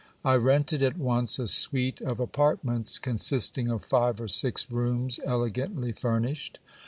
I rented at once a suite of apart ments, consisting of five or six rooms elegantly furnished.